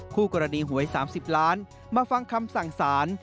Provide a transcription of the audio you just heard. คู่กรณีหวย๓๐ล้านมาฟังคำสั่งสาร